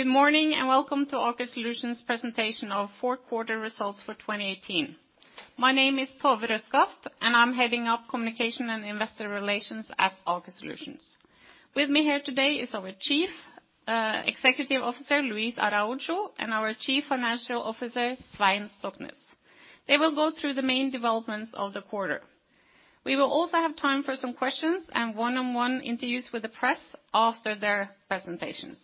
Good morning and welcome to Aker Solutions presentation of Fourth Quarter Results for 2018. My name is Tove Røskaft and I'm heading up Communication and Investor Relations at Aker Solutions. With me here today is our Chief Executive Officer, Luis Araujo, and our Chief Financial Officer, Svein Stoknes. They will go through the main developments of the quarter. We will also have time for some questions and one-on-one interviews with the press after their presentations.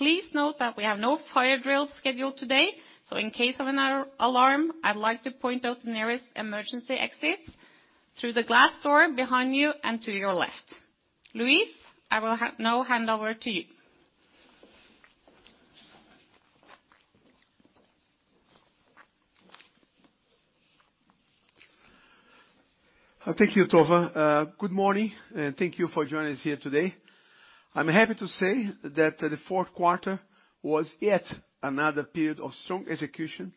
Please note that we have no fire drills scheduled today, so in case of an alarm, I'd like to point out the nearest emergency exits through the glass door behind you and to your left. Luis, I will now hand over to you. Thank you, Tove. Good morning and thank you for joining us here today. I'm happy to say that the fourth quarter was yet another period of strong execution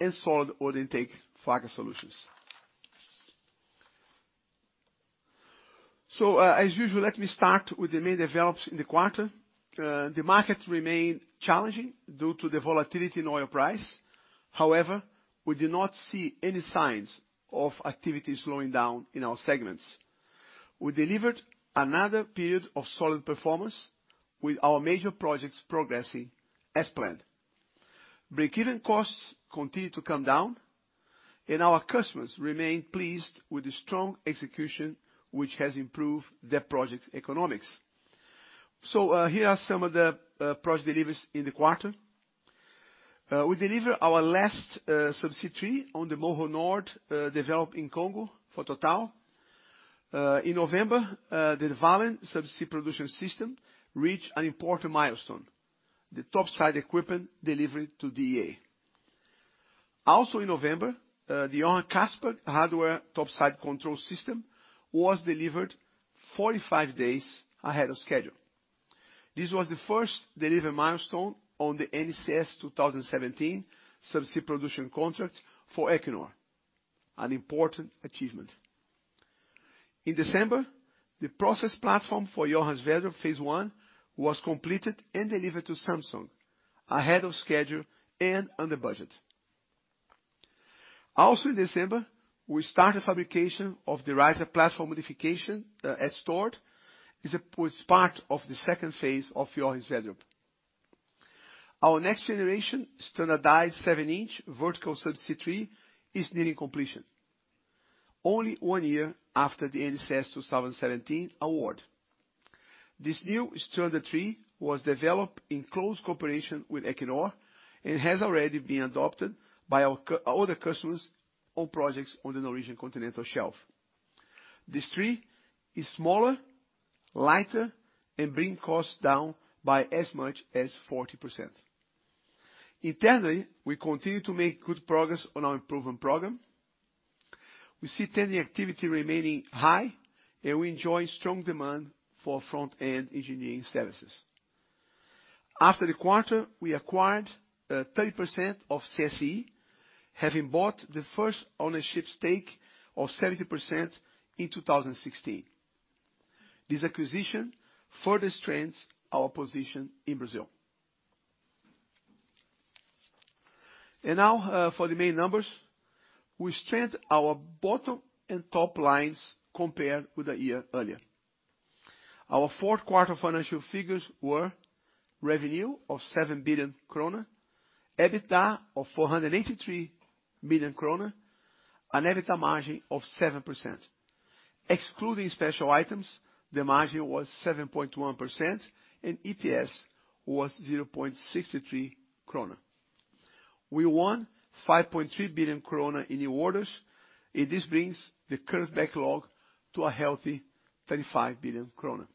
and solid order intake for Aker Solutions. As usual, let me start with the main develops in the quarter. The market remained challenging due to the volatility in oil price. However, we did not see any signs of activity slowing down in our segments. We delivered another period of solid performance with our major projects progressing as planned. Breakeven costs continued to come down and our customers remain pleased with the strong execution, which has improved their project economics. Here are some of the project deliveries in the quarter. We deliver our last subsea tree on the Moho Nord, developed in Congo for Total. In November, the Valhall subsea production system reached an important milestone, the topside equipment delivered to DEA. In November, the Johan Castberg hardware topside control system was delivered 45 days ahead of schedule. This was the first delivery milestone on the NCS 2017 subsea production contract for Equinor, an important achievement. In December, the process platform for Johan Sverdrup phase I was completed and delivered to Samsung ahead of schedule and under budget. Also in December, we started fabrication of the riser platform modification at Stord. Was part of the second phase of Johan Sverdrup. Our next-generation standardized seven-inch vertical subsea tree is nearing completion, only one year after the NCS 2017 award. This new standard tree was developed in close cooperation with Equinor and has already been adopted by our other customers on projects on the Norwegian Continental Shelf. This tree is smaller, lighter, and bring costs down by as much as 40%. Internally, we continue to make good progress on our improvement program. We see tending activity remaining high and we enjoy strong demand for front-end engineering services. After the quarter, we acquired 30% of CSE, having bought the first ownership stake of 70% in 2016. This acquisition further strengthens our position in Brazil. Now for the main numbers. We strengthened our bottom and top lines compared with a year earlier. Our fourth quarter financial figures were revenue of 7 billion krone, EBITDA of 483 million krone, and EBITDA margin of 7%. Excluding special items, the margin was 7.1%. EPS was 0.63 krone. We won 5.3 billion krone in new orders. This brings the current backlog to a healthy 35 billion krone.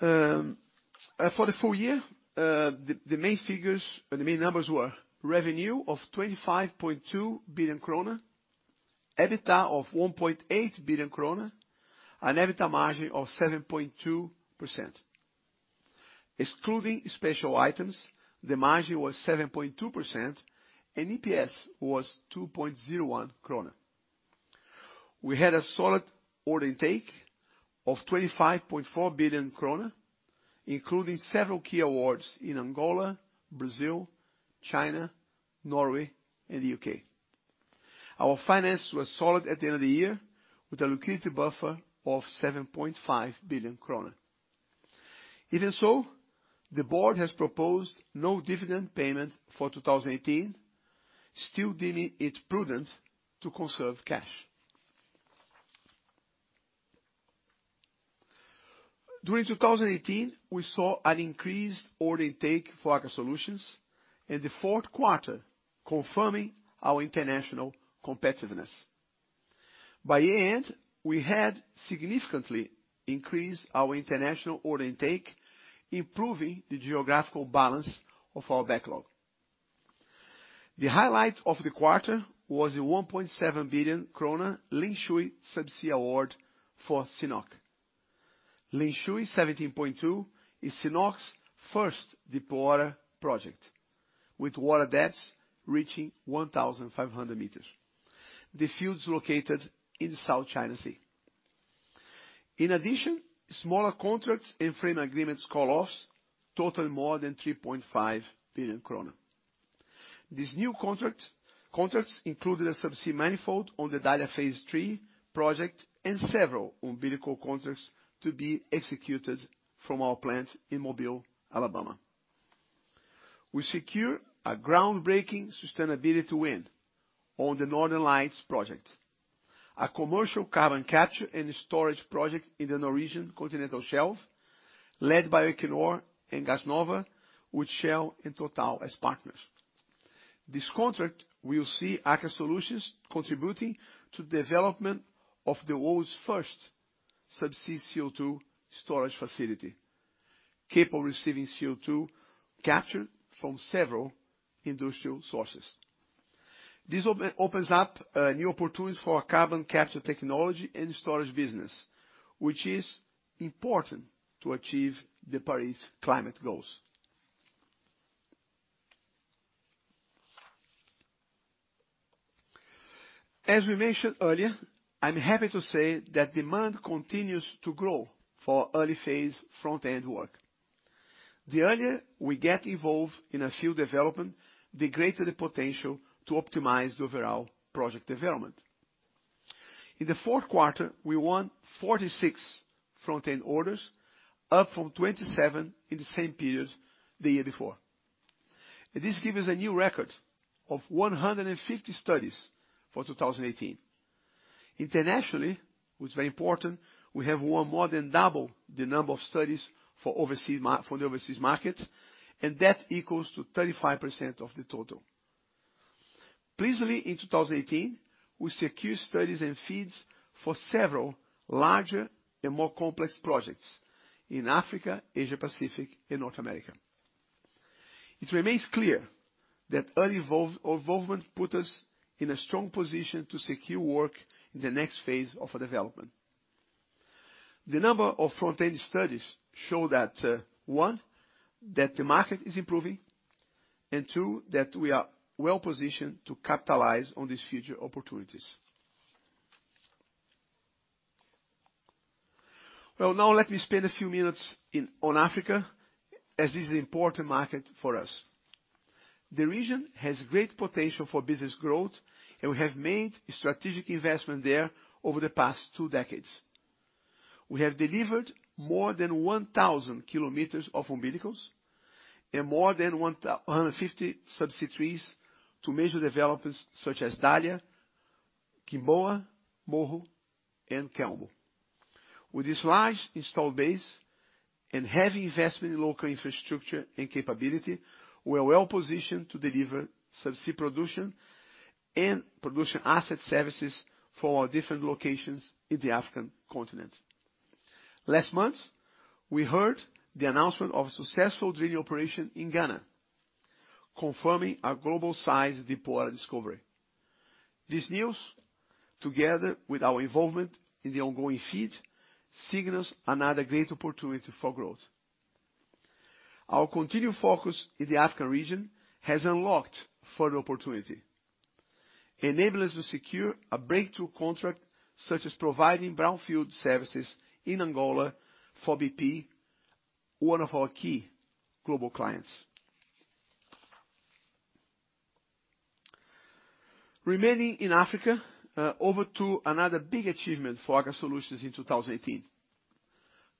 For the full year, the main figures or the main numbers were revenue of 25.2 billion kroner, EBITDA of 1.8 billion kroner, and EBITDA margin of 7.2%. Excluding special items, the margin was 7.2%. EPS was 2.01 kroner. We had a solid order intake of 25.4 billion kroner, including several key awards in Angola, Brazil, China, Norway, and the U.K. Our finances were solid at the end of the year with a liquidity buffer of 7.5 billion kroner. It is so, the board has proposed no dividend payment for 2018, still deeming it prudent to conserve cash. During 2018, we saw an increased order intake for Aker Solutions in the fourth quarter confirming our international competitiveness. By year end, we had significantly increased our international order intake, improving the geographical balance of our backlog. The highlight of the quarter was a 1.7 billion krone Lingshui subsea award for CNOOC. Lingshui 17.2 is CNOOC's first deepwater project with water depths reaching 1,500 m. The fields located in South China Sea. Smaller contracts and frame agreements call-offs total more than 3.5 billion kroner. These new contracts included a subsea manifold on the Dalia phase III project and several umbilical contracts to be executed from our plant in Mobile, Alabama. We secure a groundbreaking sustainability win on the Northern Lights project, a commercial carbon capture and storage project in the Norwegian Continental Shelf, led by Equinor and Gassnova with Shell and Total as partners. This contract will see Aker Solutions contributing to development of the world's first subsea CO2 storage facility capable of receiving CO2 captured from several industrial sources. This opens up new opportunities for carbon capture technology and storage business, which is important to achieve the Paris climate goals. As we mentioned earlier, I'm happy to say that demand continues to grow for early phase front-end work. The earlier we get involved in a field development the greater the potential to optimize the overall project development. In the fourth quarter, we won 46 front-end orders up from 27 in the same period the year before. This gives us a new record of 150 studies for 2018. Internationally, which is very important, we have won more than double the number of studies from the overseas markets, and that equals to 35% of the total. Pleasantly in 2018, we secured studies and FEEDs for several larger and more complex projects in Africa, Asia-Pacific, and North America. It remains clear that early involvement put us in a strong position to secure work in the next phase of our development. The number of front-end studies show that, one, that the market is improving, and two, that we are well-positioned to capitalize on these future opportunities. Well, now let me spend a few minutes on Africa as this is an important market for us. The region has great potential for business growth. We have made strategic investment there over the past two decades. We have delivered more than 1,000 km of umbilicals and more than 150 subsea trees to major developers such as Dalia, Kizomba, Moho, and Kaombo. With this large install base and heavy investment in local infrastructure and capability, we are well-positioned to deliver subsea production and production asset services for our different locations in the African continent. Last month, we heard the announcement of a successful drilling operation in Ghana confirming a global-size deep water discovery. This news, together with our involvement in the ongoing FEED, signals another great opportunity for growth. Our continued focus in the African region has unlocked further opportunity, enabling us to secure a breakthrough contract, such as providing brownfield services in Angola for BP, one of our key global clients. Remaining in Africa, over to another big achievement for Aker Solutions in 2018.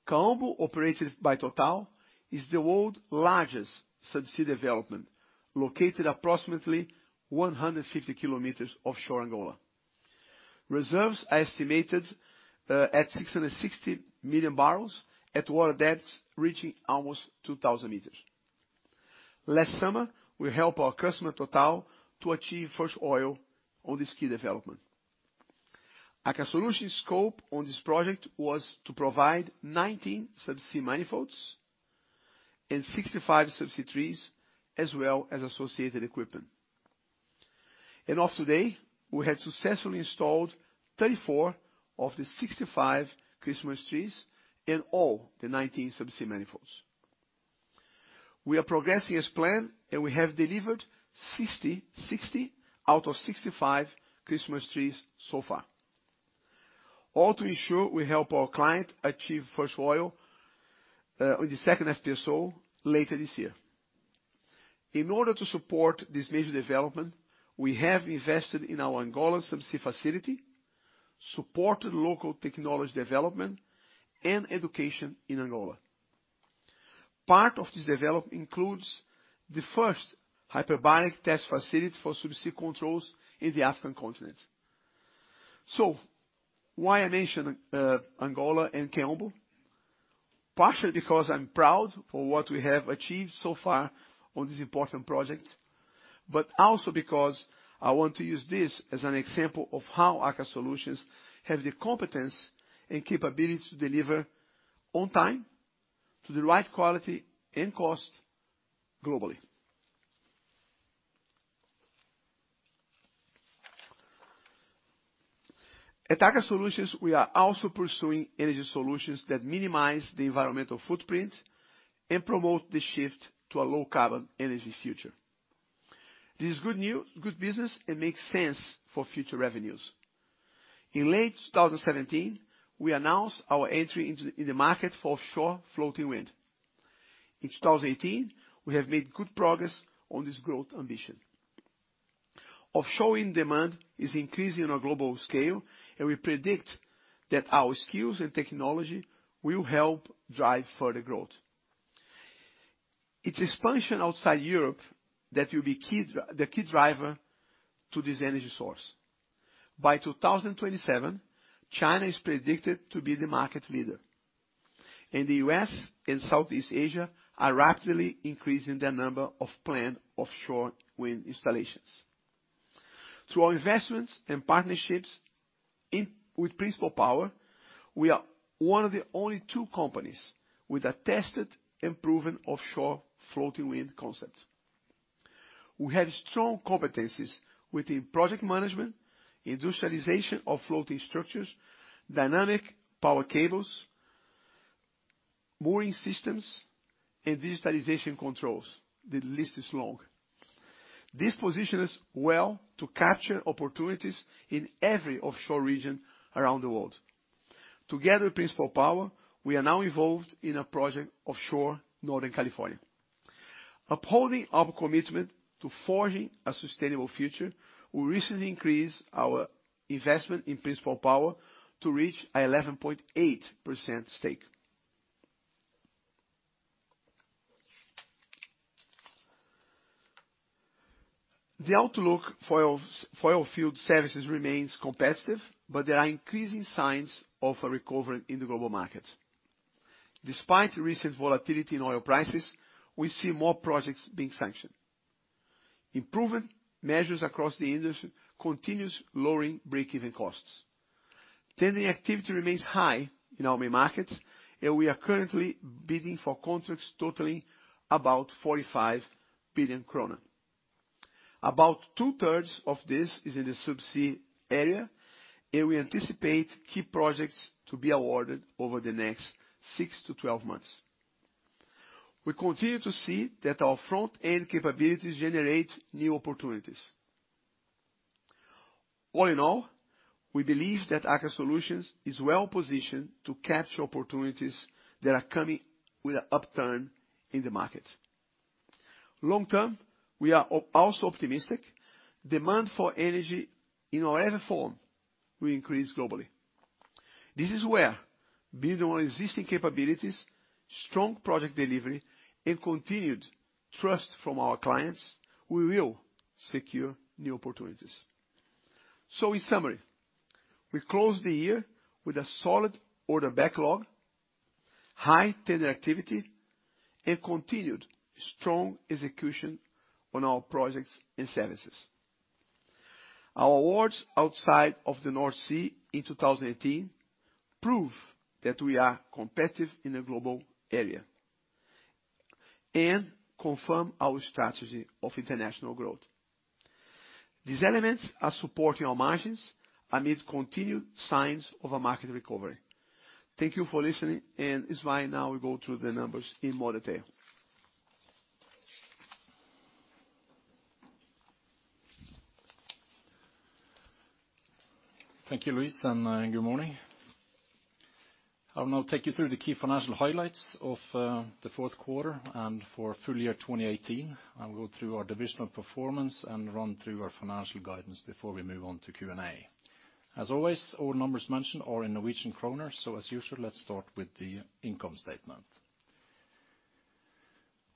Kaombo, operated by Total, is the world's largest subsea development located approximately 150 km offshore Angola. Reserves are estimated at 660 million barrels at water depths reaching almost 2,000 m. Last summer, we helped our customer, Total, to achieve first oil on this key development. Aker Solutions' scope on this project was to provide 19 subsea manifolds and 65 subsea trees as well as associated equipment. As of today, we have successfully installed 34 of the 65 Christmas trees in all the 19 subsea manifolds. We are progressing as planned and we have delivered 60 out of 65 Christmas trees so far. All to ensure we help our client achieve first oil on the second FPSO later this year. In order to support this major development, we have invested in our Angola Subsea facility, supported local technology development, and education in Angola. Part of this development includes the first hyperbaric test facility for subsea controls in the African continent. Why I mention Angola and Kaombo? Partially, because I'm proud for what we have achieved so far on this important project, but also because I want to use this as an example of how Aker Solutions have the competence and capability to deliver on time to the right quality and cost globally. At Aker Solutions, we are also pursuing energy solutions that minimize the environmental footprint and promote the shift to a low-carbon energy future. This is good business and makes sense for future revenues. In late 2017, we announced our entry into the market for offshore floating wind. In 2018, we have made good progress on this growth ambition. Offshore wind demand is increasing on a global scale and we predict that our skills and technology will help drive further growth. It's expansion outside Europe that will be the key driver to this energy source. By 2027, China is predicted to be the market leader, and the U.S. and Southeast Asia are rapidly increasing their number of planned offshore wind installations. Through our investments and partnerships with Principle Power, we are one of the only two companies with a tested and proven offshore floating wind concept. We have strong competencies within project management, industrialization of floating structures, dynamic power cables, mooring systems, and digitalization controls. The list is long. This position us well to capture opportunities in every offshore region around the world. Together with Principle Power, we are now involved in a project offshore Northern California. Upholding our commitment to forging a sustainable future, we recently increased our investment in Principle Power to reach 11.8% stake. The outlook for oilfield services remains competitive but there are increasing signs of a recovery in the global market. Despite recent volatility in oil prices, we see more projects being sanctioned. Improvement measures across the industry continues lowering break-even costs. Tending activity remains high in our main markets and we are currently bidding for contracts totaling about 45 billion kroner. About 2/3 of this is in the subsea area and we anticipate key projects to be awarded over the next six to 12 months. We continue to see that our front-end capabilities generate new opportunities. All in all, we believe that Aker Solutions is well-positioned to capture opportunities that are coming with an upturn in the market. Long term, we are also optimistic. Demand for energy in whatever form will increase globally. This is where building on existing capabilities, strong project delivery, and continued trust from our clients, we will secure new opportunities. In summary, we closed the year with a solid order backlog, high tender activity, and continued strong execution on our projects and services. Our awards outside of the North Sea in 2018 prove that we are competitive in a global area and confirm our strategy of international growth. These elements are supporting our margins amid continued signs of a market recovery. Thank you for listening and Svein now will go through the numbers in more detail. Thank you, Luis and good morning. I'll now take you through the key financial highlights of the fourth quarter and for full-year 2018. I'll go through our divisional performance and run through our financial guidance before we move on to Q&A. As always, all numbers mentioned are in Norwegian Kroner. As usual, let's start with the income statement.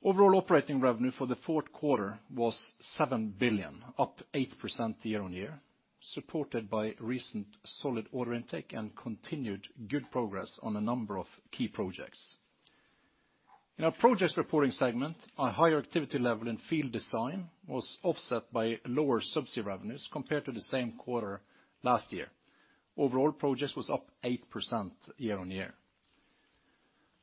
Overall operating revenue for the fourth quarter was 7 billion, up 8% year-on-year, supported by recent solid order intake and continued good progress on a number of key projects. In our projects reporting segment, a higher activity level in field design was offset by lower subsea revenues compared to the same quarter last year. Overall, projects was up 8% year-on-year.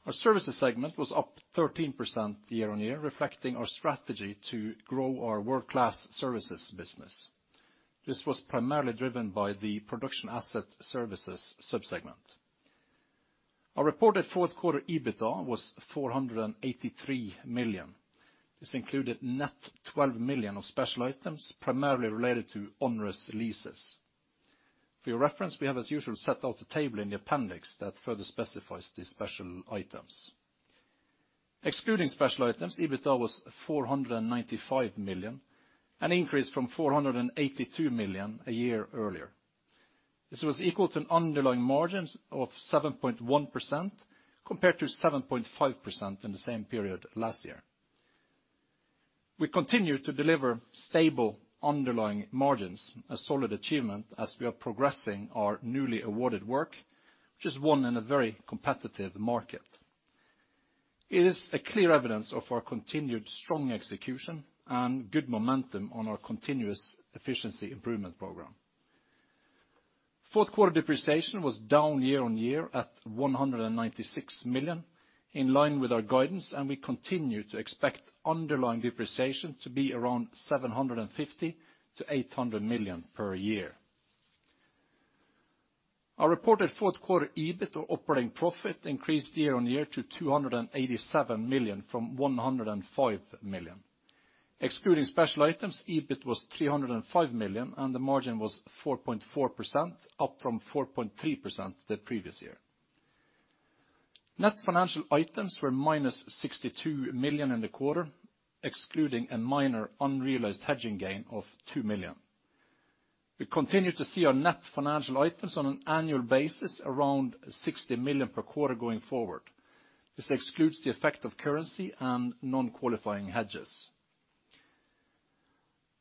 Our services segment was up 13% year-on-year, reflecting our strategy to grow our world-class services business. This was primarily driven by the production asset services sub-segment. Our reported fourth quarter EBITDA was 483 million. This included net 12 million of special items primarily related to onerous leases. For your reference, we have, as usual, set out a table in the appendix that further specifies these special items. Excluding special items, EBITDA was 495 million, an increase from 482 million a year earlier. This was equal to underlying margins of 7.1% compared to 7.5% in the same period last year. We continue to deliver stable underlying margins, a solid achievement as we are progressing our newly awarded work, which is won in a very competitive market. It is a clear evidence of our continued strong execution and good momentum on our continuous efficiency improvement program. Fourth quarter depreciation was down year-on-year at 196 million, in line with our guidance, and we continue to expect underlying depreciation to be around 750 million to 800 million per year. Our reported fourth quarter EBIT or operating profit increased year-on-year to 287 million from 105 million. Excluding special items, EBIT was 305 million, and the margin was 4.4%, up from 4.3% the previous year. Net financial items were -62 million in the quarter, excluding a minor unrealized hedging gain of 2 million. We continue to see our net financial items on an annual basis around 60 million per quarter going forward. This excludes the effect of currency and non-qualifying hedges.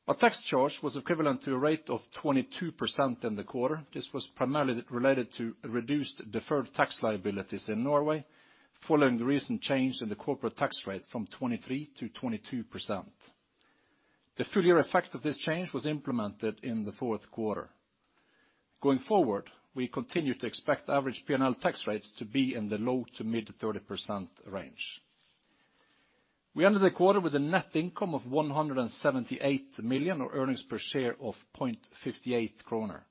Our tax charge was equivalent to a rate of 22% in the quarter. This was primarily related to reduced deferred tax liabilities in Norway following the recent change in the corporate tax rate from 23% to 22%. The full-year effect of this change was implemented in the fourth quarter. Going forward, we continue to expect average P&L tax rates to be in the low-to-mid 30% range. We ended the quarter with a net income of 178 million or earnings per share of 0.58 kroner.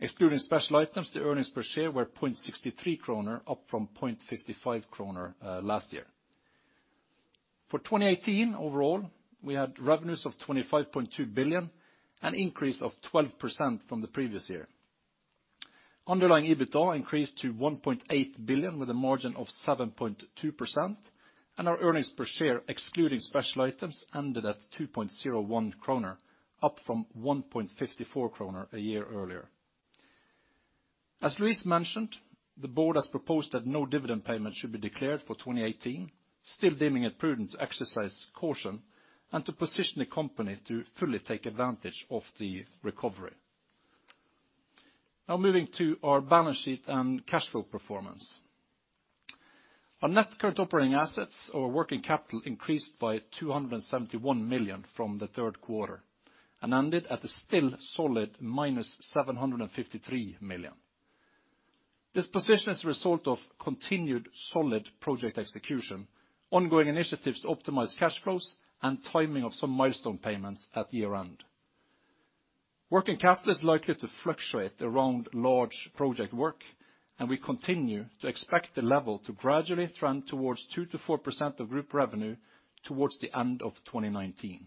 Excluding special items, the earnings per share were 0.63 kroner, up from 0.55 kroner last year. For 2018 overall, we had revenues of 25.2 billion, an increase of 12% from the previous year. Underlying EBITDA increased to 1.8 billion with a margin of 7.2%. Our earnings per share excluding special items ended at 2.01 kroner up from 1.54 kroner a year earlier. As Luis mentioned, the board has proposed that no dividend payment should be declared for 2018, still deeming it prudent to exercise caution and to position the company to fully take advantage of the recovery. Now moving to our balance sheet and cash flow performance. Our net current operating assets or working capital increased by 271 million from the third quarter and ended at a still solid -753 million. This position is a result of continued solid project execution, ongoing initiatives to optimize cash flows, and timing of some milestone payments at year-end. Working capital is likely to fluctuate around large project work, we continue to expect the level to gradually trend towards 2% to 4% of group revenue towards the end of 2019.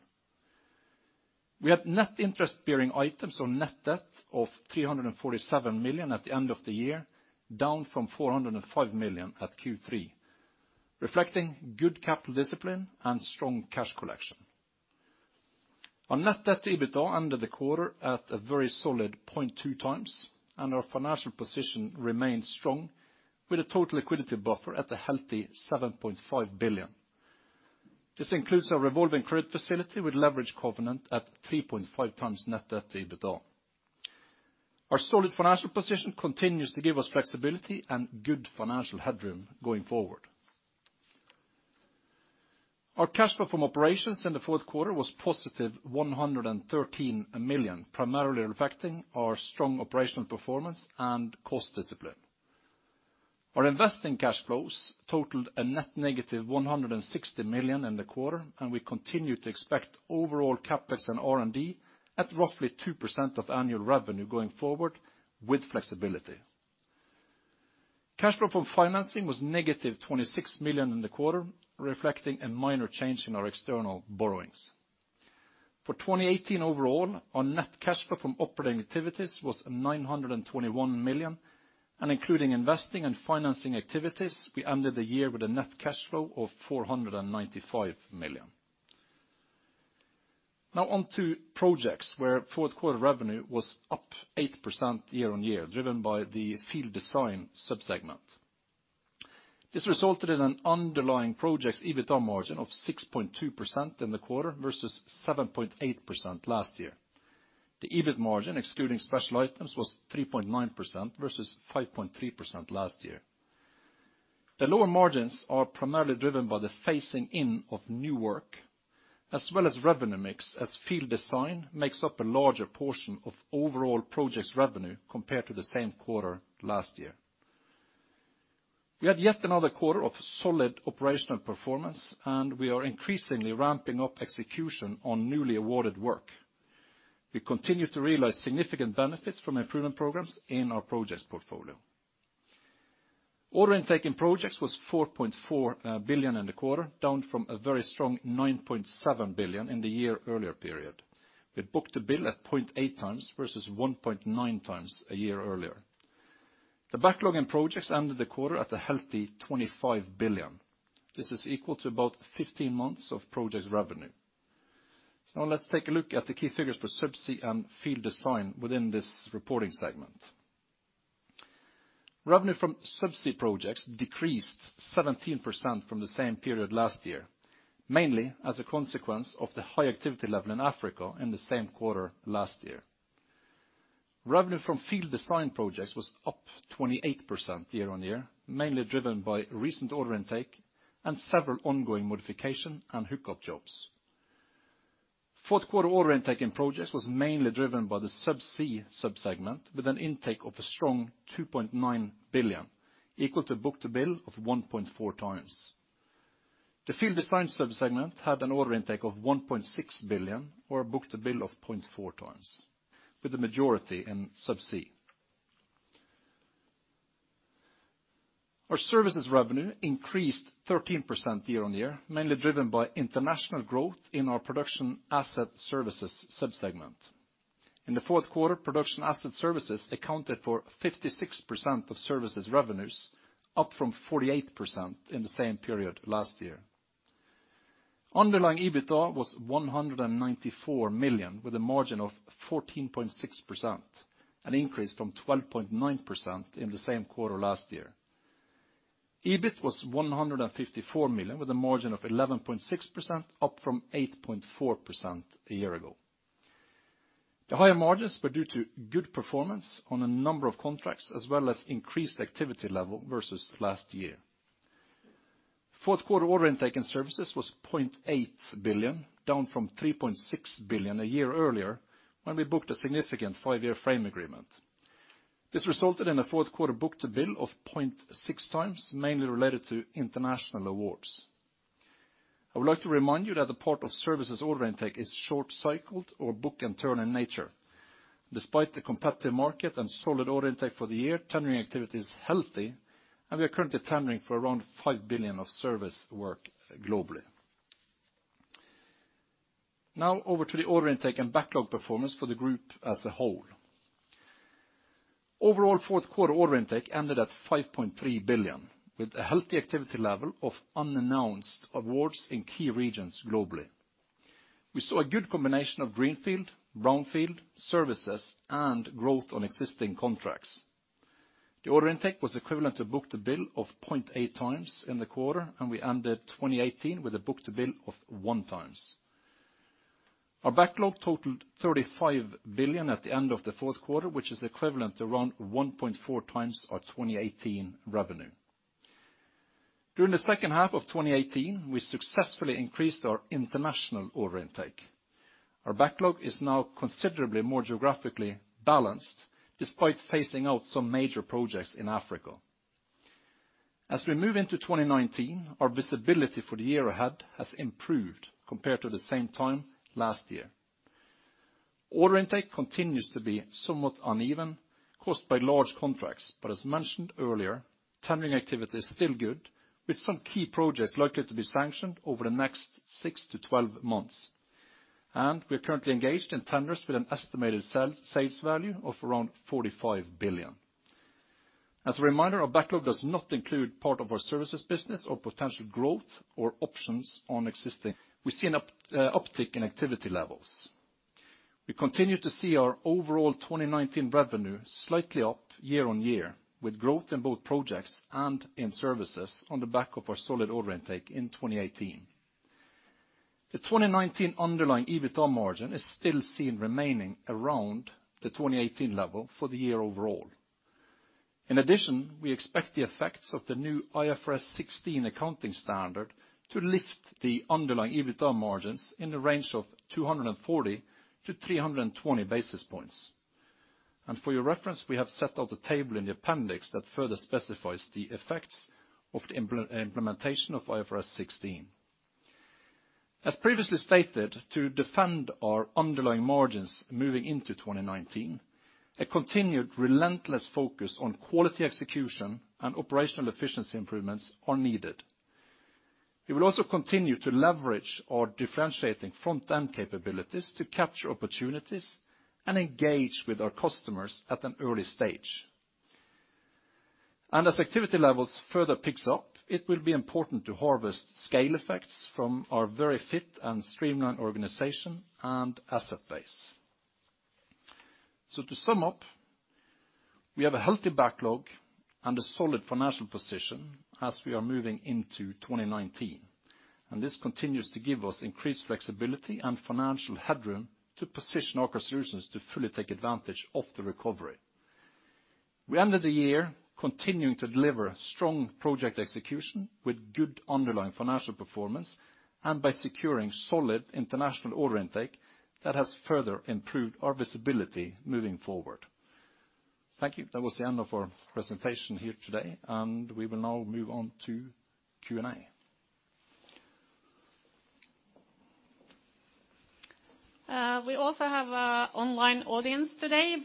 We had net interest bearing items or net debt of 347 million at the end of the year, down from 405 million at Q3, reflecting good capital discipline and strong cash collection. Our net debt to EBITDA ended the quarter at a very solid 0.2x, our financial position remains strong with a total liquidity buffer at a healthy 7.5 billion. This includes our revolving credit facility with leverage covenant at 3.5x net debt to EBITDA. Our solid financial position continues to give us flexibility and good financial headroom going forward. Our cash flow from operations in the fourth quarter was +113 million, primarily reflecting our strong operational performance and cost discipline. Our investing cash flows totaled a net -160 million in the quarter. We continue to expect overall CapEx and R&D at roughly 2% of annual revenue going forward with flexibility. Cash flow from financing was -26 million in the quarter, reflecting a minor change in our external borrowings. For 2018 overall, our net cash flow from operating activities was 921 million and including investing and financing activities, we ended the year with a net cash flow of 495 million. Now on to projects where fourth quarter revenue was up 8% year-on-year, driven by the field design sub-segment. This resulted in an underlying project's EBITDA margin of 6.2% in the quarter versus 7.8% last year. The EBIT margin, excluding special items was 3.9% versus 5.3% last year. The lower margins are primarily driven by the phasing in of new work as well as revenue mix as field design makes up a larger portion of overall projects revenue compared to the same quarter last year. We had yet another quarter of solid operational performance. We are increasingly ramping up execution on newly awarded work. We continue to realize significant benefits from improvement programs in our projects portfolio. Order intake in projects was 4.4 billion in the quarter, down from a very strong 9.7 billion in the year earlier period. We book-to-bill at 0.8x versus 1.9x a year earlier. The backlog in projects ended the quarter at a healthy 25 billion. This is equal to about 15 months of projects revenue. Now let's take a look at the key figures for Subsea and Field Design within this reporting segment. Revenue from Subsea projects decreased 17% from the same period last year mainly as a consequence of the high activity level in Africa in the same quarter last year. Revenue from Field Design projects was up 28% year-on-year mainly driven by recent order intake and several ongoing modification and hookup jobs. Fourth quarter order intake in projects was mainly driven by the subsea sub-segment with an intake of a strong 2.9 billion, equal to book-to-bill of 1.4x. The field design subsegment had an order intake of 1.6 billion or a book-to-bill of 0.4x with the majority in subsea. Our services revenue increased 13% year-on-year mainly driven by international growth in our production asset services sub-segment. In the fourth quarter, production asset services accounted for 56% of services revenues, up from 48% in the same period last year. Underlying EBITDA was 194 million with a margin of 14.6%, an increase from 12.9% in the same quarter last year. EBIT was 154 million with a margin of 11.6% up from 8.4% a year ago. The higher margins were due to good performance on a number of contracts as well as increased activity level versus last year. Fourth quarter order intake and services was 0.8 billion, down from 3.6 billion a year earlier when we booked a significant five-year frame agreement. This resulted in a fourth quarter book-to-bill of 0.6x, mainly related to international awards. I would like to remind you that the part of services order intake is short cycled or book-and-turn in nature. Despite the competitive market and solid order intake for the year, tendering activity is healthy. We are currently tendering for around 5 billion of service work globally. Over to the order intake and backlog performance for the group as a whole. Overall, fourth quarter order intake ended at 5.3 billion with a healthy activity level of unannounced awards in key regions globally. We saw a good combination of greenfield, brownfield, services and growth on existing contracts. The order intake was equivalent to book-to-bill of 0.8x in the quarter. We ended 2018 with a book-to-bill of 1x. Our backlog totaled 35 billion at the end of the fourth quarter, which is equivalent to around 1.4x our 2018 revenue. During the second half of 2018, we successfully increased our international order intake. Our backlog is now considerably more geographically balanced despite phasing out some major projects in Africa. As we move into 2019, our visibility for the year ahead has improved compared to the same time last year. Order intake continues to be somewhat uneven caused by large contracts. As mentioned earlier, tendering activity is still good, with some key projects likely to be sanctioned over the next six to 12 months. We are currently engaged in tenders with an estimated sales value of around 45 billion. As a reminder, our backlog does not include part of our services business or potential growth or options on existing. We see an uptick in activity levels. We continue to see our overall 2019 revenue slightly up year-on-year, with growth in both projects and in services on the back of our solid order intake in 2018. The 2019 underlying EBITDA margin is still seen remaining around the 2018 level for the year overall. We expect the effects of the new IFRS 16 accounting standard to lift the underlying EBITDA margins in the range of 240 to 320 basis points. For your reference, we have set out a table in the appendix that further specifies the effects of the implementation of IFRS 16. As previously stated, to defend our underlying margins moving into 2019, a continued relentless focus on quality execution and operational efficiency improvements are needed. We will also continue to leverage our differentiating front-end capabilities to capture opportunities and engage with our customers at an early stage. As activity levels further picks up, it will be important to harvest scale effects from our very fit and streamlined organization and asset base. To sum up, we have a healthy backlog and a solid financial position as we are moving into 2019. This continues to give us increased flexibility and financial headroom to position Aker Solutions to fully take advantage of the recovery. We ended the year continuing to deliver strong project execution with good underlying financial performance and by securing solid international order intake that has further improved our visibility moving forward. Thank you. That was the end of our presentation here today. We will now move on to Q&A. We also have an online audience today.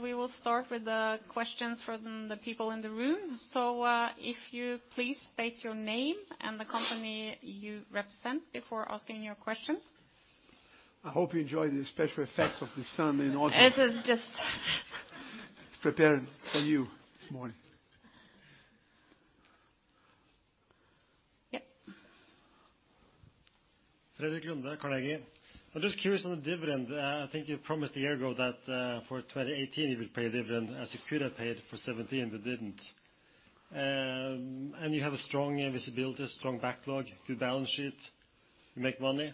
We will start with the questions from the people in the room. If you please state your name and the company you represent before asking your question. I hope you enjoy the special effects of the sun in August. It is just. It's preparing for you this morning. Yeah. Frederik Lunde, Carnegie. I'm just curious on the dividend. I think you promised a year ago that for 2018 you would pay a dividend as you could have paid for 2017 but didn't. You have a strong visibility, strong backlog, good balance sheet, you make money.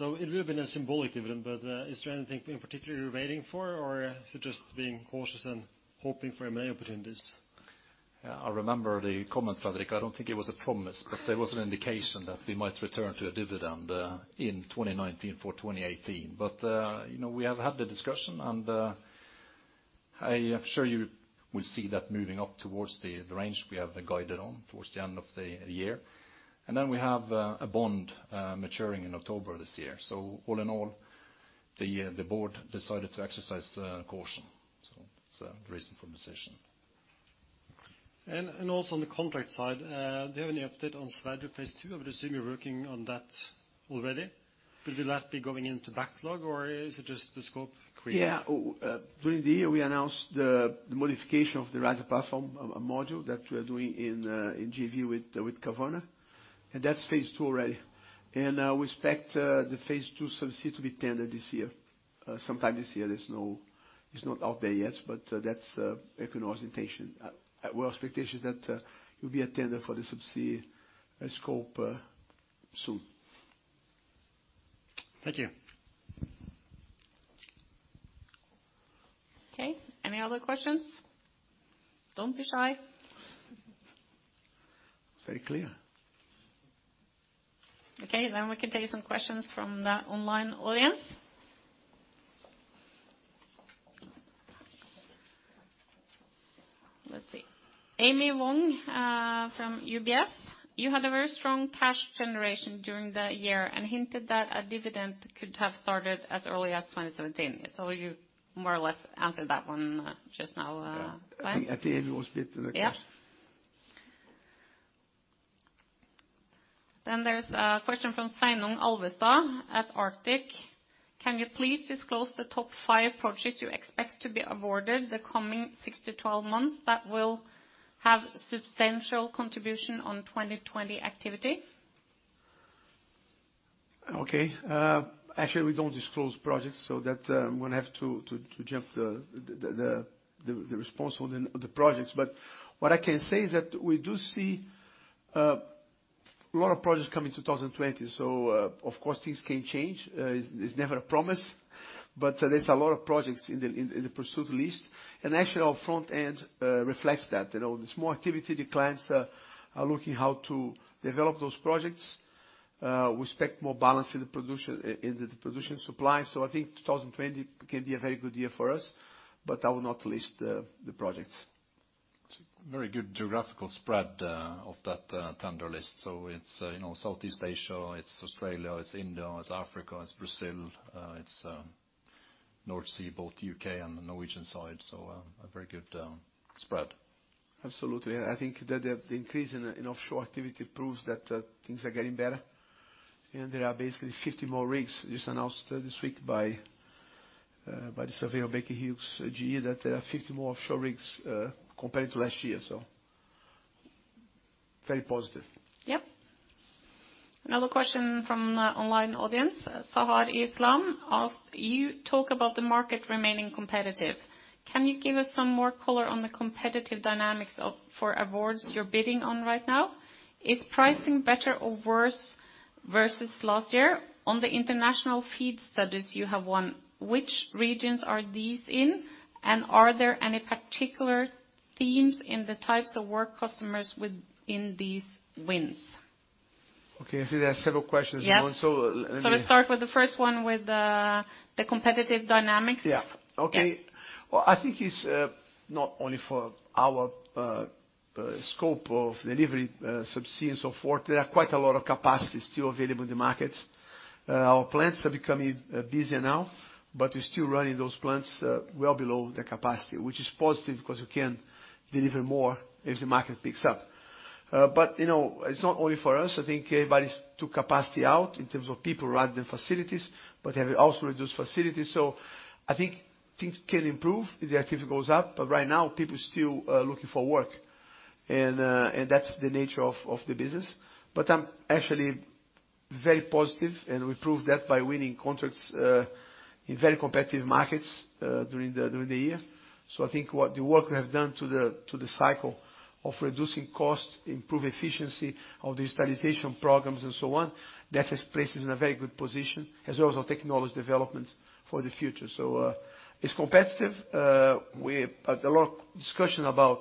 It would have been a symbolic dividend, but is there anything in particular you're waiting for or is it just being cautious and hoping for M&A opportunities? Yeah, I remember the comment, Frederik. I don't think it was a promise, but there was an indication that we might return to a dividend in 2019 for 2018. You know, we have had the discussion and I am sure you will see that moving up towards the range we have been guided on towards the end of the year. Then we have a bond maturing in October this year. All in all, the board decided to exercise caution. It's a reasonable decision. Also on the contract side, do you have any update on Snorre phase II? I would assume you're working on that already. Will that be going into backlog or is it just the scope? Yeah. During the year, we announced the modification of the riser platform module that we are doing in JV with Kværner, and that's phase II already. We expect the phase II subsea to be tendered this year sometime this year. It's not out there yet, but that's Equinor's intention. Our expectation is that there'll be a tender for the subsea scope soon. Thank you. Okay. Any other questions? Don't be shy. Very clear. Okay. We can take some questions from the online audience. Let's see. Amy Wong from UBS. You had a very strong cash generation during the year and hinted that a dividend could have started as early as 2017 so ou more or less answered that one just now. Yeah. I think Amy was a bit in a rush. Yeah. There's a question from Stein-Erik Alvestad at Arctic. Can you please disclose the top five projects you expect to be awarded the coming six to 12 months that will have substantial contribution on 2020 activity? Okay. Actually, we don't disclose projects so that I'm going to have to jump the response on the projects. What I can say is that we do see a lot of projects come in 2020. Of course, things can change. It's never a promise, but there's a lot of projects in the pursuit list. Actually our front end reflects that. You know, there's more activity, the clients are looking how to develop those projects. We expect more balance in the production supply. I think 2020 can be a very good year for us but I will not list the projects. It's a very good geographical spread of that tender list. It's, you know, Southeast Asia, it's Australia, it's Indonesia, it's Africa, it's Brazil, it's North Sea, both U.K., and the Norwegian side. A very good spread. Absolutely. I think that the increase in offshore activity proves that things are getting better. There are basically 50 more rigs just announced this week by the survey of Baker Hughes GE that there are 50 more offshore rigs compared to last year so very positive. Yep. Another question from the online audience. Sahar Islam asked, you talk about the market remaining competitive. Can you give us some more color on the competitive dynamics for awards you're bidding on right now? Is pricing better or worse versus last year? On the international FEED studies you have won, which regions are these in, and are there any particular themes in the types of work customers within these wins? Okay. I see there are several questions in one. Yep. So let me. We start with the first one with the competitive dynamics. Yeah. Okay. Well, I think it's not only for our scope of delivery, subsea and so forth, there are quite a lot of capacity still available in the market. Our plants are becoming busier now but we're still running those plants well below the capacity, which is positive because we can deliver more, if the market picks up. You know, it's not only for us. I think everybody's took capacity out in terms of people rather than facilities but they have also reduced facilities. I think things can improve, if the activity goes up. Right now, people are still looking for work, and that's the nature of the business. I'm actually very positive and we proved that by winning contracts in very competitive markets during the year. I think what the work we have done to the cycle of reducing costs improve efficiency of digitalization programs and so on. That has placed us in a very good position as well as our technology developments for the future. It's competitive. A lot of discussion about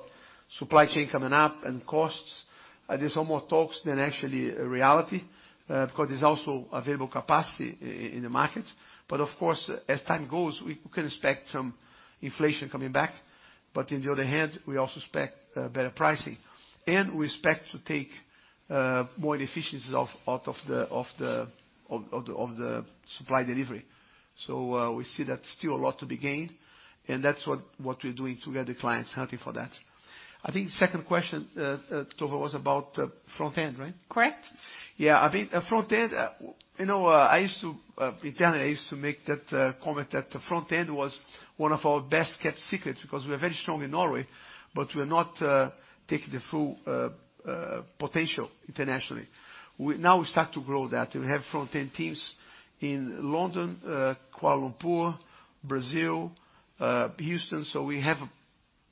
supply chain coming up and costs. There's some more talks than actually a reality because there's also available capacity in the market. Of course, as time goes, we can expect some inflation coming back. On the other hand, we also expect better pricing and we expect to take more efficiencies of out of the supply delivery. We see that still a lot to be gained and that's what we're doing to get the clients hunting for that. I think second question, Tove, was about front end, right? Correct. Yeah. I think, front end, you know, I used to, internally, I used to make that, comment that the front-end was one of our best-kept secrets because we are very strong in Norway, but we're not taking the full potential internationally. Now we start to grow that. We have front-end teams in London, Kuala Lumpur, Brazil, Houston. We have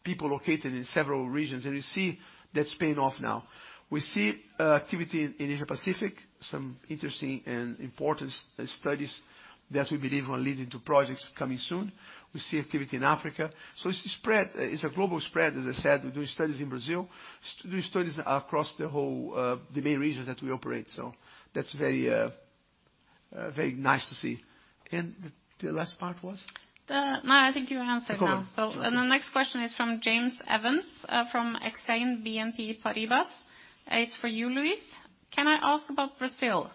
people located in several regions, and we see that's paying off now. We see activity in Asia-Pacific, some interesting and important studies that we believe will lead into projects coming soon. We see activity in Africa so it's spread. It's a global spread. As I said, we're doing studies in Brazil, doing studies across the main regions that we operate. That's very, positive. Very nice to see. The last part was? No, I think you answered that. Okay. The next question is from James Evans, from Exane BNP Paribas. It's for you, Luis. Can I ask about Brazil?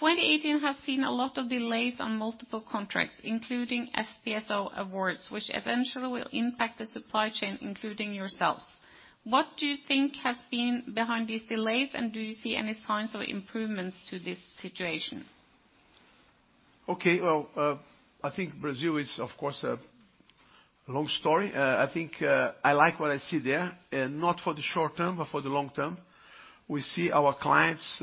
2018 has seen a lot of delays on multiple contracts, including FPSO awards, which eventually will impact the supply chain, including yourselves. What do you think has been behind these delays and do you see any signs of improvements to this situation? Okay. Well, I think Brazil is, of course, a long story. I think I like what I see there and not for the short term but for the long term. We see our clients,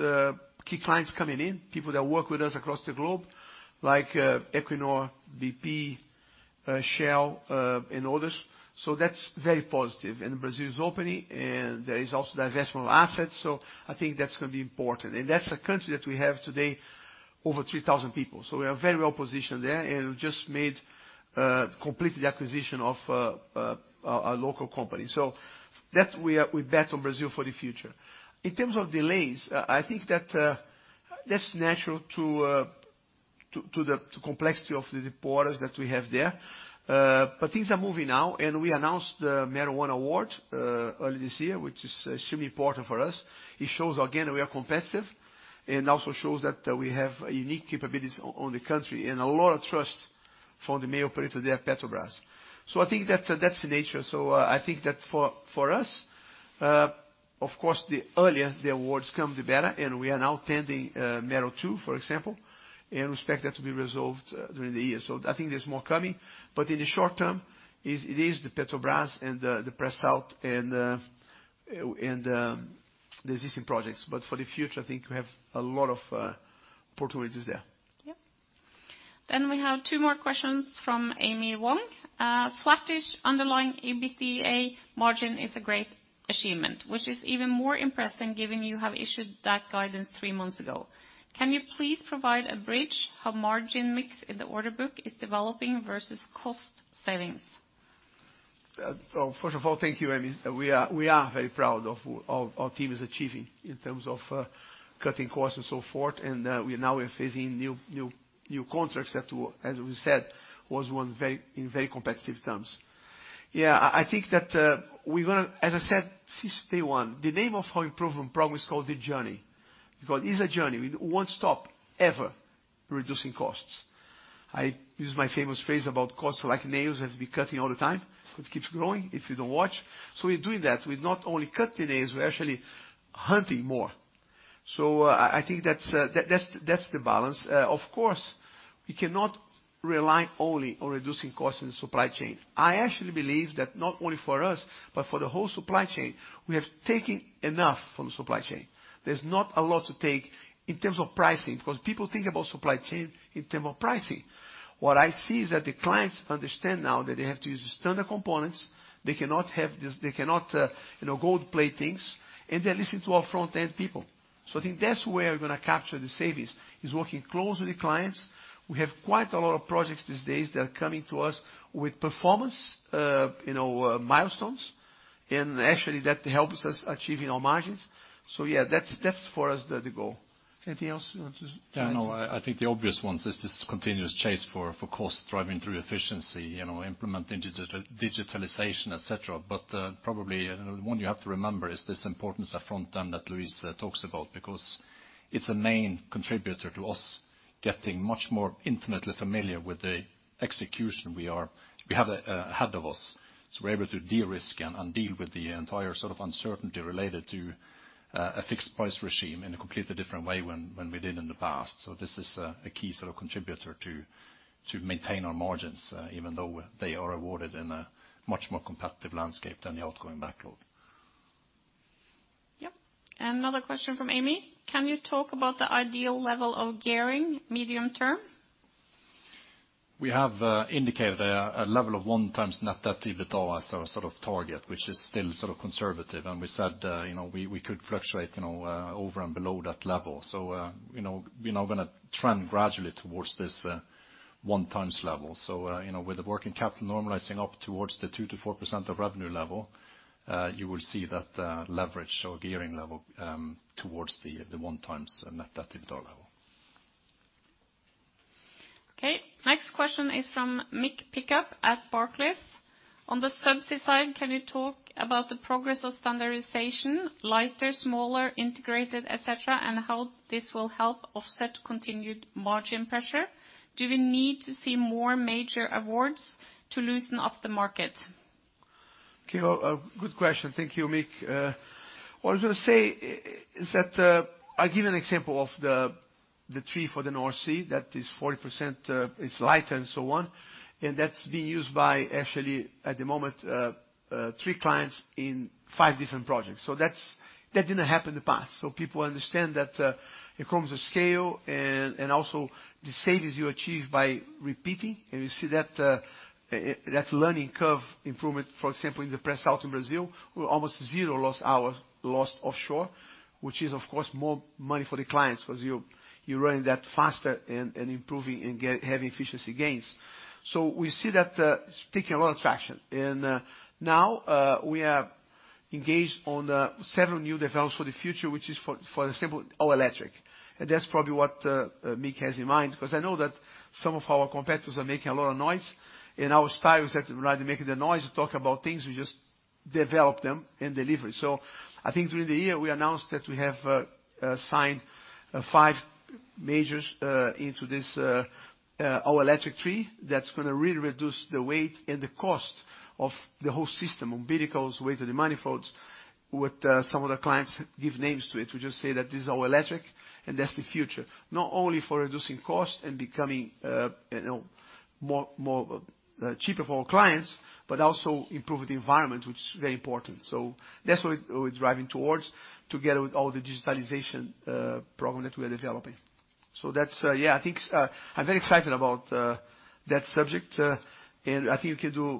key clients coming in, people that work with us across the globe, like Equinor, BP, Shell, and others. That's very positive and Brazil is opening, there is also divestment of assets, I think that's going to be important. That's a country that we have today over 3,000 people so we are very well positioned there and just completed the acquisition of a local company. We bet on Brazil for the future. In terms of delays, I think that's natural to the complexity of the orders that we have there. Things are moving now and we announced the Mero One award early this year, which is extremely important for us. It shows, again, we are competitive and also shows that we have unique capabilities on the country and a lot of trust from the main operator there, Petrobras. I think that's the nature. I think that for us, of course, the earlier the awards come the better and we are now tending Mero Two, for example, and we expect that to be resolved during the year. I think there's more coming. In the short term, it is the Petrobras and the Pre-Salt and the existing projects. For the future, I think we have a lot of opportunities there. Yep. We have two more questions from Amy Wong. Flattish underlying EBITDA margin is a great achievement, which is even more impressive given you have issued that guidance three months ago. Can you please provide a bridge how margin mix in the order book is developing versus cost savings? Well, first of all, thank you, Amy. We are very proud of our team is achieving in terms of cutting costs and so forth. We now are facing new contracts that, as we said, was won in very competitive terms. Yeah. I think that, as I said, since day one, the name of our improvement program is called The Journey because it is a journey. We won't stop ever, reducing costs. I use my famous phrase about costs are like nails, they have to be cutting all the time. It keeps growing if you don't watch. We're doing that. We're not only cutting nails but we're actually hunting more. I think that's the balance. Of course, we cannot rely only on reducing costs in the supply chain. I actually believe that not only for us but for the whole supply chain, we have taken enough from the supply chain. There's not a lot to take in terms of pricing, because people think about supply chain in term of pricing. What I see is that the clients understand now that they have to use standard components. They cannot have this. They cannot, you know, gold plate things, and they're listening to our front-end people. I think that's where we're going to capture the savings is working closely with clients. We have quite a lot of projects these days that are coming to us with performance, you know, milestones, and actually that helps us achieving our margins. Yeah, that's for us the goal. Anything else you want to add? Yeah, no, I think the obvious ones is this continuous chase for cost driving through efficiency, you know, implementing digitalization, et cetera. Probably one you have to remember is this importance of front-end that Luis talks about because it's a main contributor to us getting much more intimately familiar with the execution we have ahead of us. We're able to de-risk and deal with the entire sort of uncertainty related to a fixed price regime in a completely different way when we did in the past. This is a key sort of contributor to maintain our margins even though they are awarded in a much more competitive landscape than the outgoing backlog. Yep. Another question from Amy. Can you talk about the ideal level of gearing medium term? We have indicated a level of 1x net debt to EBITDA as our sort of target, which is still sort of conservative. We said, you know, we could fluctuate, you know, over and below that level. We're now going to trend gradually towards this 1x level. With the working capital normalizing up towards the 2% to 4% of revenue level, you will see that leverage or gearing level towards the 1x net debt to EBITDA level. Okay. Next question is from Mick Pickup at Barclays. On the subsea side, can you talk about the progress of standardization, lighter, smaller, integrated, et cetera, and how this will help offset continued margin pressure? Do we need to see more major awards to loosen up the market? Okay. Well, a good question. Thank you, Mick. What I was going to say is that, I'll give you an example of the tree for the North Sea that is 40%, it's light and so on, and that's being used by actually at the moment, three clients in five different projects. That didn't happen in the past. People understand that, it comes with scale and also the savings you achieve by repeating, and you see that learning curve improvement, for example in the Pre-Salt in Brazil, we're almost zero lost hours lost offshore, which is of course more money for the clients because you're running that faster and improving and having efficiency gains. We see that's taking a lot of traction. Now, we have engaged on several new develops for the future, which is for example, all electric. That's probably what Mick has in mind, because I know that some of our competitors are making a lot of noise. Our style is that rather than making the noise to talk about things, we just develop them and deliver it. I think during the year, we announced that we have signed five majors into this all electric tree that's going to really reduce the weight and the cost of the whole system on vehicles with the manifolds with some of the clients give names to it. We just say that this is all electric and that's the future, not only for reducing cost and becoming, you know, more cheaper for our clients, but also improve the environment, which is very important. That's what we're driving towards together with all the digitalization program that we are developing. Yeah, I think, I'm very excited about that subject. I think you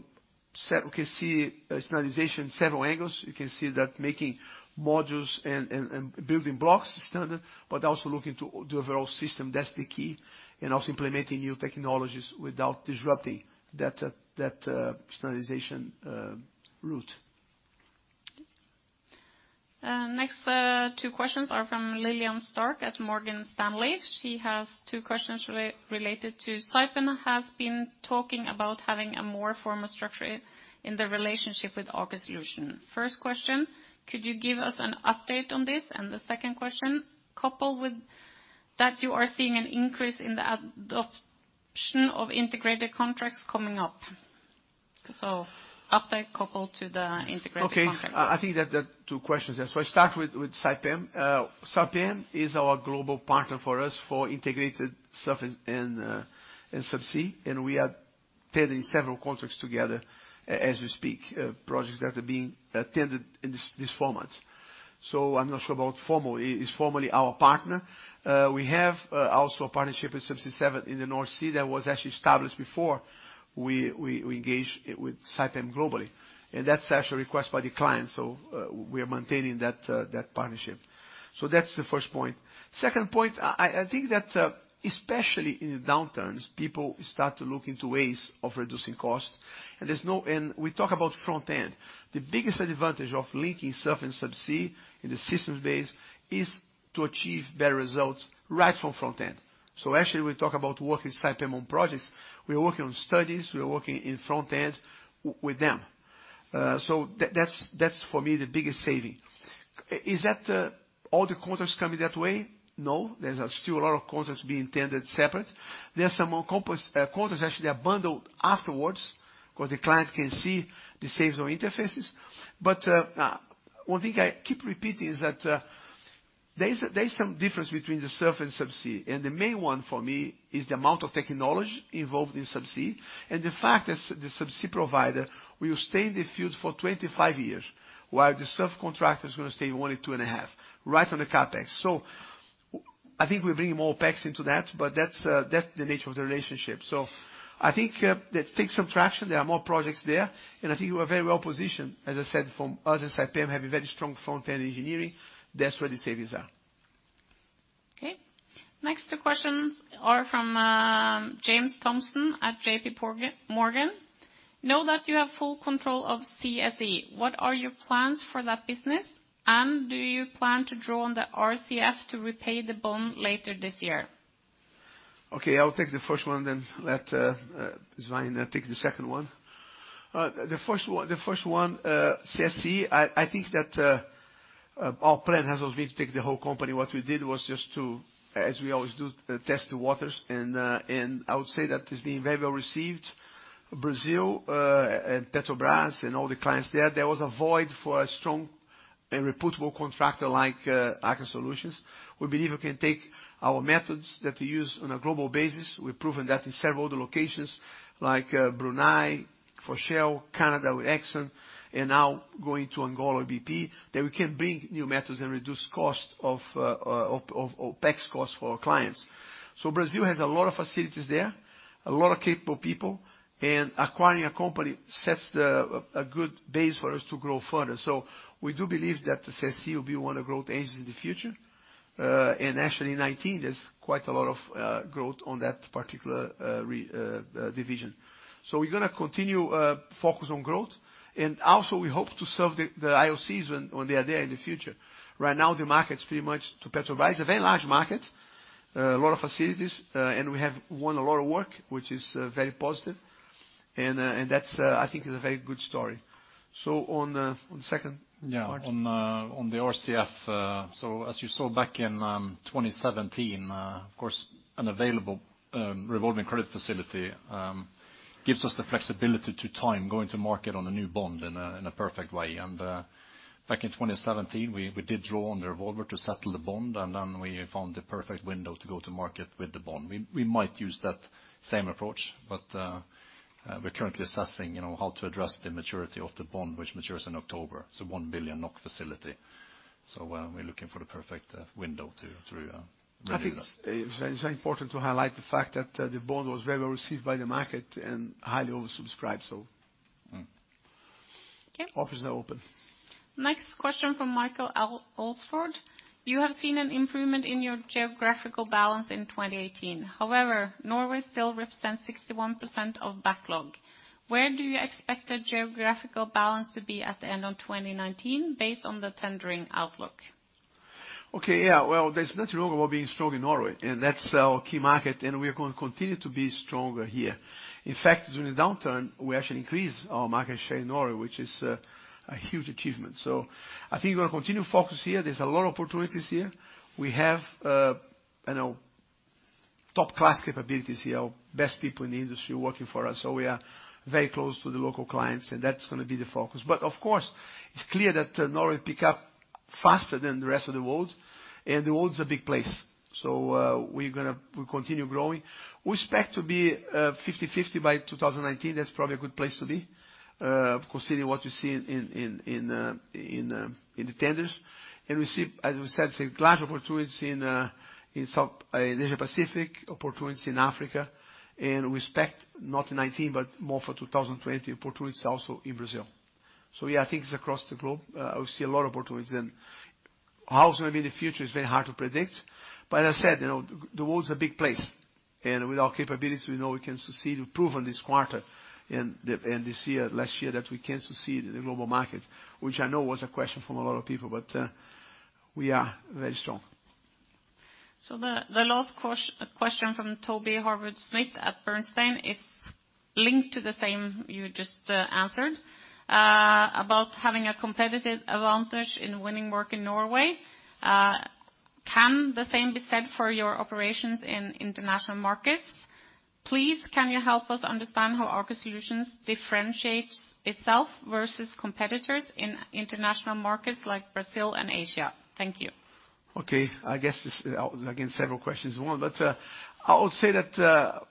can see standardization several angles. You can see that making modules and building blocks standard, but also looking to the overall system, that's the key, and also implementing new technologies without disrupting that standardization route. Next, two questions are from Lillian Starke at Morgan Stanley. She has two questions related to Saipem, has been talking about having a more formal structure in the relationship with Aker Solutions. First question, could you give us an update on this? The second question, coupled with that you are seeing an increase in the adoption of integrated contracts coming up so update coupled to the integrated contract. Okay. I think that the two questions. I start with Saipem. Saipem is our global partner for us for integrated surface and subsea and we are tending several contracts together as we speak, projects that are being tended in this, these four months. I'm not sure about formal. It's formally our partner. We have also a partnership with Subsea 7 in the North Sea that was actually established before we engaged with Saipem globally. That's actually request by the client. We are maintaining that partnership. That's the first point. Second point, I think that especially in the downturns, people start to look into ways of reducing costs. We talk about front-end. The biggest advantage of linking SURF and subsea in the systems base is to achieve better results right from front end. Actually, we talk about working Saipem on projects. We are working on studies, we are working in front-end with them. That's for me the biggest savings. Is that all the contracts coming that way? No, there's still a lot of contracts being tended separate. There are some more contracts actually are bundled afterwards because the client can see the saves on interfaces. One thing I keep repeating is that there's some difference between the SURF and subsea, and the main one for me is the amount of technology involved in subsea. The fact that the subsea provider will stay in the field for 25 years, while the SURF contractor is going to stay only 2.5 years, right on the CapEx. I think we're bringing more OpEx into that, but that's the nature of the relationship. I think that takes some traction. There are more projects there, and I think we are very well positioned, as I said, from us and Saipem have a very strong front end engineering. That's where the savings are. Okay. Next two questions are from James Thompson at J.P. Morgan. I know that you have full control of CSE. What are your plans for that business? Do you plan to draw on the RCF to repay the bond later this year? Okay, I'll take the first one, let Svein take the second one. The first one, CSE, I think that our plan has always been to take the whole company. What we did was just to, as we always do, test the waters, and I would say that it's been very well received. Brazil, and Petrobras, and all the clients there was a void for a strong and reputable contractor like Aker Solutions. We believe we can take our methods that we use on a global basis. We've proven that in several other locations like Brunei for Shell, Canada with Exxon, and now going to Angola with BP, that we can bring new methods and reduce costs of OpEx costs for our clients. Brazil has a lot of facilities there, a lot of capable people, and acquiring a company a good base for us to grow further. We do believe that the CSE will be one of growth agents in the future. Actually, in 2019, there's quite a lot of growth on that particular division. We're going to continue to focus on growth. Also, we hope to serve the IOCs when they are there in the future. Right now, the market's pretty much to Petrobras, a very large market, a lot of facilities, and we have won a lot of work, which is very positive. That's, I think, is a very good story. On the second part. Yeah, on the RCF, as you saw back in 2017, of course, an available revolving credit facility gives us the flexibility to time going to market on a new bond in a perfect way. Back in 2017, we did draw on the revolver to settle the bond, we found the perfect window to go to market with the bond. We might use that same approach, we're currently assessing, you know, how to address the maturity of the bond, which matures in October. It's a 1 billion NOK facility. We're looking for the perfect window to renew that. I think it's very important to highlight the fact that, the bond was very well received by the market and highly oversubscribed, so. Okay. Office is now open. Next question from Michael Alsford. You have seen an improvement in your geographical balance in 2018. However, Norway still represents 61% of backlog. Where do you expect the geographical balance to be at the end of 2019 based on the tendering outlook? Okay. Yeah. Well, there's nothing wrong about being strong in Norway and that's our key market, and we are going to continue to be stronger here. In fact, during the downturn, we actually increased our market share in Norway, which is a huge achievement. I think we're going to continue to focus here. There's a lot of opportunities here. We have, you know, top-class capabilities here, our best people in the industry working for us, so we are very close to the local clients, and that's going to going to be the focus. Of course, it's clear that Norway pick up faster than the rest of the world, and the world's a big place. We'll continue growing. We expect to be 50/50 by 2019. That's probably a good place to be, considering what you see in the tenders. We see, as we said, large opportunities in South Asia-Pacific, opportunities in Africa, and we expect not in 2019 but more for 2020 opportunities also in Brazil. Yeah, I think it's across the globe, we see a lot of opportunities in. How it's going to be in the future, it's very hard to predict. As I said, you know, the world's a big place, and with our capabilities, we know we can succeed. We've proven this quarter and this year, last year, that we can succeed in the global market, which I know was a question from a lot of people, but we are very strong. The last question from Toby Scott at Bernstein is linked to the same you just answered about having a competitive advantage in winning work in Norway. Can the same be said for your operations in international markets? Please, can you help us understand how Aker Solutions differentiates itself versus competitors in international markets like Brazil and Asia? Thank you. Okay. this, again, several questions in one. I would say that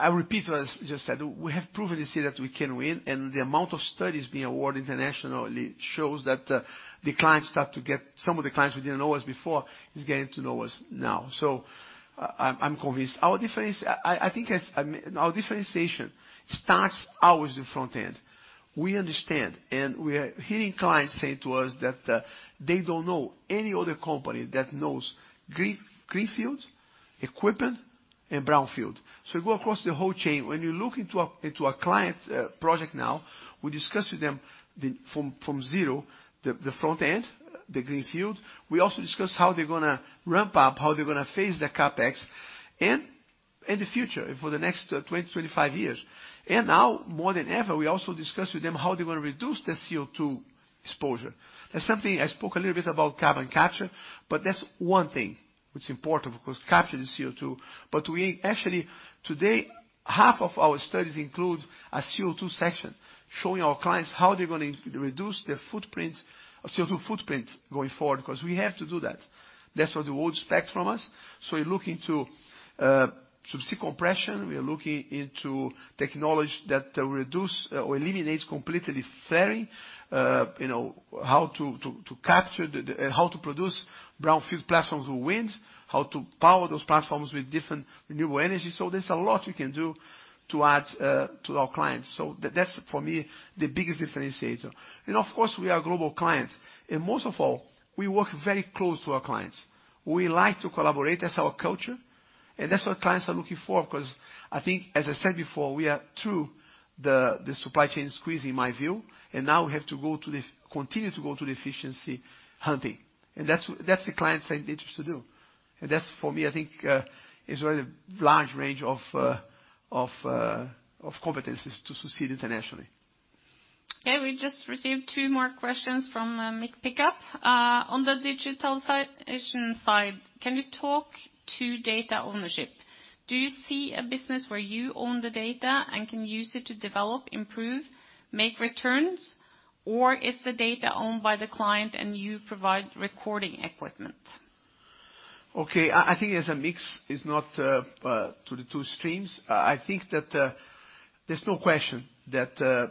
I repeat what I just said. We have proven this year that we can win. The amount of studies being awarded internationally shows that some of the clients who didn't know us before is getting to know us now. I'm convinced. I mean, our differentiation starts always the front end. We understand. We are hearing clients saying to us that they don't know any other company that knows greenfield, equipment, and brownfield. We go across the whole chain. When you look into a client's project now, we discuss with them the from zero the front-end, the greenfield. We also discuss how they're going to ramp up, how they're going to phase their CapEx, and the future for the next 20 years-25 years. Now, more than ever, we also discuss with them how they're going to reduce their CO2 exposure. That's something I spoke a little bit about carbon capture, but that's one thing which is important, of course, capturing CO2. We actually, today, half of our studies include a CO2 section, showing our clients how they're going to reduce their footprint, CO2 footprint going forward because we have to do that. That's what the world expects from us. We're looking to subsea compression. We are looking into technology that reduce or eliminates completely flaring, you know, how to capture the, how to produce brownfield platforms with wind, how to power those platforms with different renewable energy. There's a lot we can do to add to our clients. That's for me, the biggest differentiator. Of course, we are global clients. Most of all, we work very close to our clients. We like to collaborate. That's our culture. That's what clients are looking for because I think, as I said before, we are through the supply chain squeeze in my view, and now we have to continue to go to the efficiency hunting. That's the clients saying they trust to do. That's for me, I think, is really large range of competencies to succeed internationally. Okay. We just received two more questions from Mick Pickup. On the digitalization side, action side, can you talk to data ownership? Do you see a business where you own the data and can use it to develop, improve, make returns or is the data owned by the client and you provide recording equipment? Okay. I think there's a mix, is not to the two streams. I think that there's no question that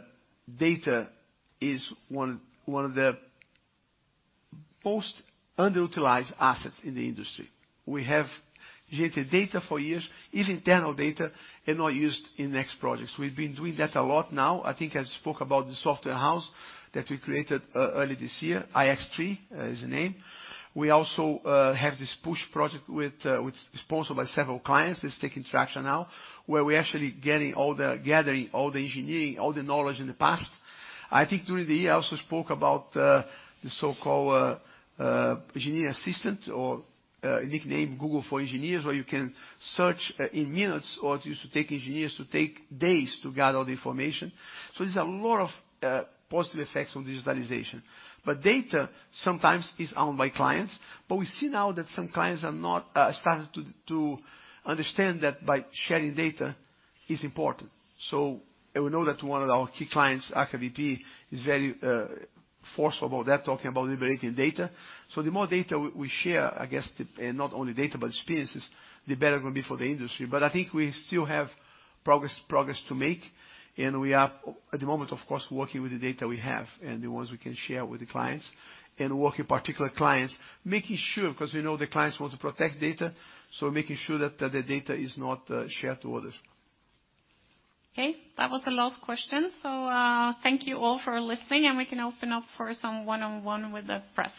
data is one of the most underutilized assets in the industry. We have generated data for years, even internal data, and not used in next projects. We've been doing that a lot now. I think I spoke about the software house that we created earlier this year, IX3 is the name. We also have this push project with which is sponsored by several clients. That's taking traction now where we're actually gathering all the engineering, all the knowledge in the past. I think during the year, I also spoke about the so-called engineer assistant or a nickname Google for Engineers, where you can search in minutes or it used to take engineers days to gather the information. There's a lot of positive effects on digitalization. Data sometimes is owned by clients, but we see now that some clients are not starting to understand that by sharing data is important. We know that one of our key clients, Aker BP, is very forceful about that talking about liberating data. The more data we share, I guess the, and not only data, but experiences, the better it will be for the industry. I think we still have progress to make and we are at the moment, of course, working with the data we have and the ones we can share with the clients and work in particular clients, making sure because we know the clients want to protect data, so making sure that the data is not shared to others. Okay. That was the last question. Thank you all for listening and we can open up for some one-on-one with the press.